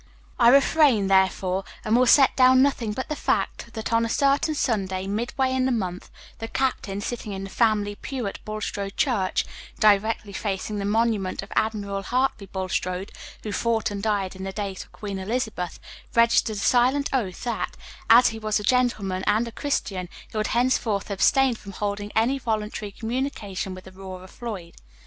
I refrain, therefore, and will set down nothing but the fact that, on a certain Sunday, midway in the month, the captain, sitting in the family pew at Bulstrode church, directly facing the monument of Admiral Hartley Bulstrode, who fought and died in the days of Queen Elizabeth, registered a silent oath that, as he was a gentleman and a Christian, he would henceforth abstain from holding any voluntary communication with Aurora Floyd.